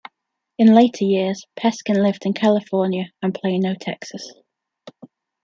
In later years, Peskin lived in California and Plano, Texas.